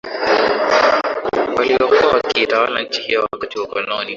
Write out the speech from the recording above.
waliokuwa wakiitawala nchi hiyo wakati wa ukoloni